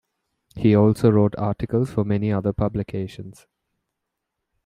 He also wrote articles for many other publications.